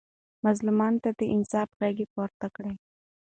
مظلومانو ته د انصاف غږ پورته کړئ.